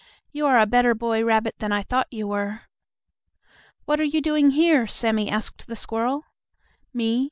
"You are a better boy rabbit than I thought you were." "What are you doing here?" Sammie asked the squirrel. "Me?